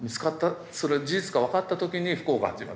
その事実が分かった時に不幸が始まる。